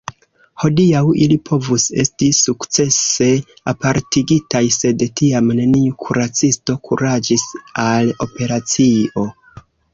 Hodiaŭ ili povus esti sukcese apartigitaj, sed tiam neniu kuracisto kuraĝis al operacio.